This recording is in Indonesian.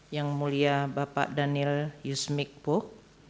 yang mulia bapak daniel yusmik puk